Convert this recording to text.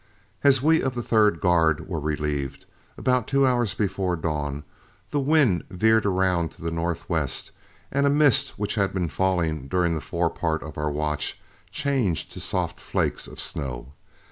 As we of the third guard were relieved, about two hours before dawn, the wind veered around to the northwest, and a mist which had been falling during the fore part of our watch changed to soft flakes of snow.